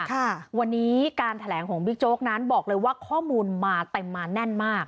ค่ะวันนี้การแถลงของบิ๊กโจ๊กนั้นบอกเลยว่าข้อมูลมาเต็มมาแน่นมาก